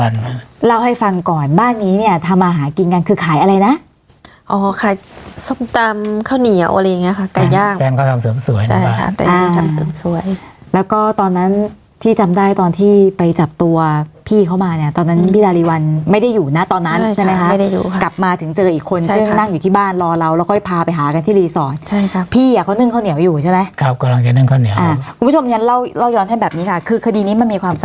อย่างเงี้ยค่ะไก่ย่างแปลงเขาทำเสริมสวยใช่ค่ะแต่ยังไม่ทำเสริมสวยแล้วก็ตอนนั้นที่จำได้ตอนที่ไปจับตัวพี่เข้ามาเนี้ยตอนนั้นพี่ดาริวัลไม่ได้อยู่นะตอนนั้นใช่ไหมค่ะไม่ได้อยู่ค่ะกลับมาถึงเจออีกคนใช่ค่ะซึ่งนั่งอยู่ที่บ้านรอเราแล้วก็พาไปหากันที่รีสอร์ทใช่ค่ะพี่อ่ะเขานึ่งข้าวเหนียวอยู่ใช่ไหมคร